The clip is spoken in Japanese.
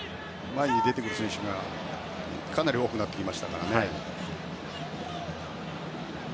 前に出てくる選手がかなり多くなってきましたからね。